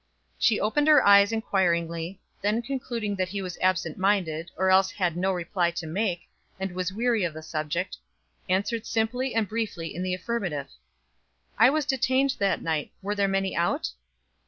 She opened her eyes inquiringly; then concluding that he was absent minded, or else had no reply to make, and was weary of the subject, answered simply and briefly in the affirmative. "I was detained that night. Were there many out?"